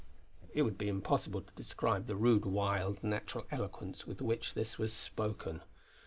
It would be impossible to describe the rude, wild, natural eloquence with which this was spoken.